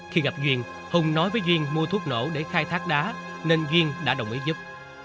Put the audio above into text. khi gặp duyên hùng nói với duyên mua thuốc nổ để khai thác đá nên duyên đã đồng ý giúp